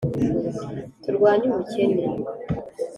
turwanye ubukene